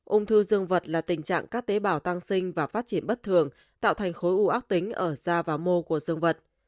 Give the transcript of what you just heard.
ung thư dương vật là tình trạng các tế bào tăng sinh và phát triển bất thường tạo thành khối u ác tính ở da và mô của dương vật